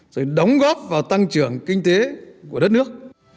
rồi đóng góp vào tăng trưởng kinh tế của đất nước